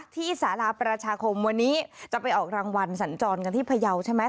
ที่สาราประชาคมวันนี้จะไปออกรางวัลสัญจรกันที่พยาวใช่ไหม